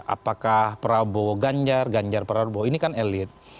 apakah prabowo ganjar ganjar prabowo ini kan elit